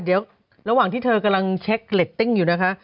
เดี๋ยวระหว่างที่เธอกำลังเช็คเรตติ้งอยู่นะคะ